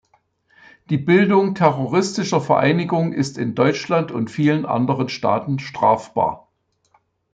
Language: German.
Die Bildung terroristischer Vereinigungen ist in Deutschland und vielen anderen Staaten strafbar.